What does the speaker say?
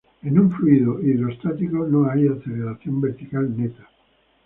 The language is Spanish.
En un fluido hidrostático no hay aceleración vertical neta.